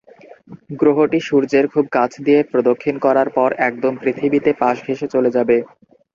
গ্রহটি সূর্যের খুব কাছ দিয়ে প্রদক্ষিণ করার পর একদম পৃথিবীর পাশ ঘেষে চলে যাবে।